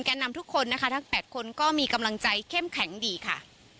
นำทุกคนนะคะทั้ง๘คนก็มีกำลังใจเข้มแข็งดีค่ะ